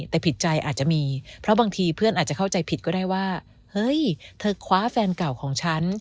แต่ผิดใจอาจจะมีเพราะบางทีเพื่อนอาจจะเข้าใจผิดก็ได้ว่าเฮ้ยเธอคว้าแฟนเก่าของฉัน